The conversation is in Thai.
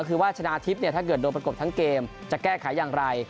ก็คือว่าชนะทิพย์เนี่ยถ้าเกิดโดนประกบทั้งเกมจะแก้ไขอย่างไร